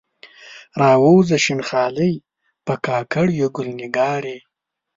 راووځه شین خالۍ، په کاکړیو ګل نګارې